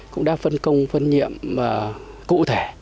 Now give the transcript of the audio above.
cũng đã phân công phân nhiệm cụ thể